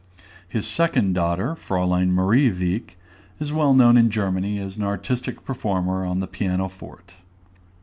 His second daughter, Fräulein Marie Wieck, is well known in Germany as an artistic performer on the piano forte.